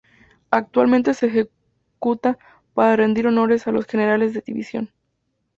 Actualmente se ejecuta para rendir honores a los Generales de División.